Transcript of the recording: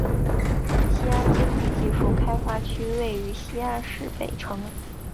西安经济技术开发区位于西安市北城。